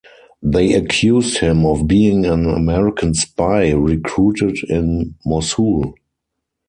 They accused him of being an American spy recruited in Mosul.